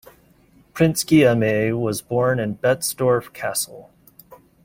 Prince Guillaume was born in Betzdorf Castle.